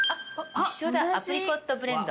一緒だアプリコットブレンド。